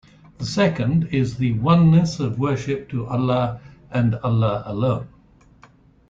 The second is the oneness of worship to Allah and Allah alone.